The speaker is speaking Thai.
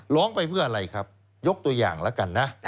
ร้องไปเพื่ออะไรครับยกตัวอย่างแล้วกันนะ